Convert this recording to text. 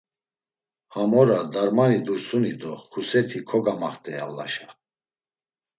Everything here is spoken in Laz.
Ham ora Darmani Dursuni do Xuseti kogamaxt̆ey avlaşa.